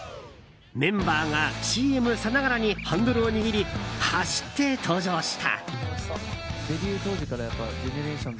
メンバーがＣＭさながらにハンドルを握り、走って登場した。